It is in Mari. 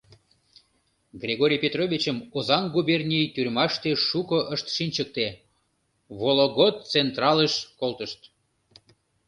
Григорий Петровичым Озаҥ губерний тюрьмаште шуко ышт шинчыкте, Вологод централыш колтышт.